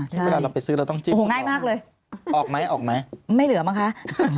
ใช่อ๋อง่ายมากเลยออกไหมออกไหมไม่เหลือมั้ยคะ